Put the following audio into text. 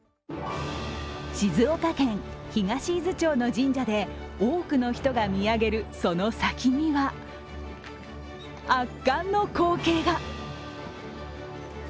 静岡県東伊豆町の神社で多くの人が見上げる、その先には圧巻の光景が！